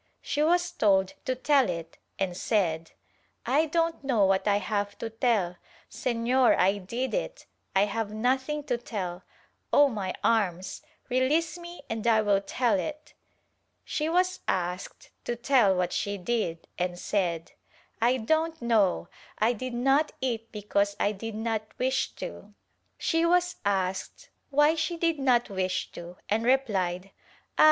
She was told to tell it and said "I don't know what I have to tell — Senor I did it — I have nothing to tell — Oh my arms! release me and I will tell it." She was asked to tell what she did and said "I don't know, I did not eat because I did not wish to." She was asked why she did not wish to and replied "Ay!